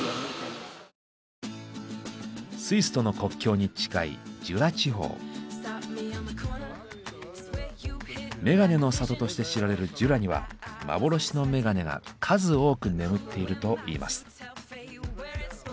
スイスとの国境に近いメガネの里として知られるジュラには幻のメガネが数多く眠っているといいます。